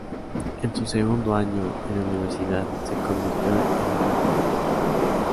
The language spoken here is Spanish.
En su segundo año en la universidad, se convirtió en una periodista.